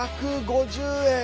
１５０円！